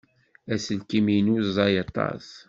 Aselkim-inu ẓẓay aṭas.